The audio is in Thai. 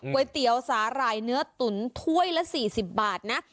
ก๋วยเตี๋ยวสาหร่ายเนื้อตุ๋นถ้วยละ๔๐บาทนะ